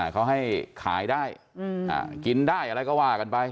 เขาให้ขายได้กินได้อะไรก็ว่ากันไป